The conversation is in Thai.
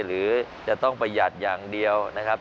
หรือจะต้องประหยัดอย่างเดียวนะครับ